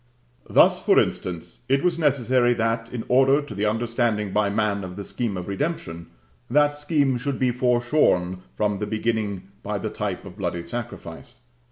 Thus, for instance, it was necessary that, in order to the understanding by man of the scheme of Redemption, that scheme should be foreshown from the beginning by the type of bloody sacrifice.